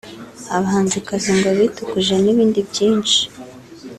abahanzikazi ngo bitukuje n’ibindi byinshi